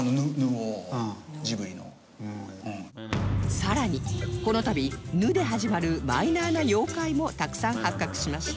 更にこのたび「ぬ」で始まるマイナーな妖怪もたくさん発覚しました